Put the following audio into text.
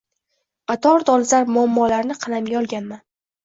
Qator dolzarb muammolarni qalamga olganman